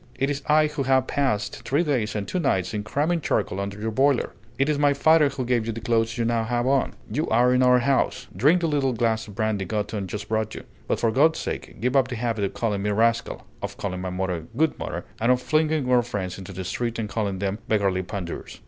It is I who have passed three days and two nights in cramming charcoal under your boiler. It is my father who gave you the clothes you now have on. You are in our house. Drink the little glass of brandy Gothon just brought you; but for God's sake give up the habit of calling me rascal, of calling my mother 'Good Mother,' and of flinging our friends into the street and calling them beggarly pandours!"